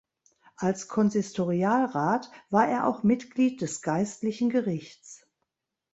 Als Konsistorialrat war er auch Mitglied des Geistlichen Gerichts.